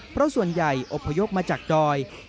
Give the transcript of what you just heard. เพราะส่วนใหญ่ที่อพยกมาจากโดย